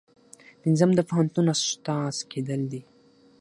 پنځم د پوهنتون استاد کیدل دي.